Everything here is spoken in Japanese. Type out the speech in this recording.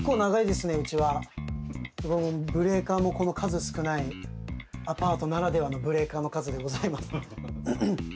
うちはブレーカーもこの数少ないアパートならではのブレーカーの数でございます